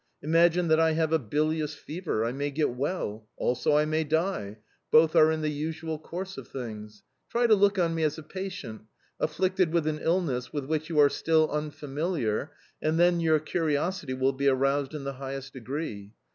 Imagine that I have a bilious fever: I may get well; also, I may die; both are in the usual course of things. Try to look on me as a patient, afflicted with an illness with which you are still unfamiliar and then your curiosity will be aroused in the highest degree.